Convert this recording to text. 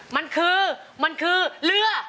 มันคือเหลือ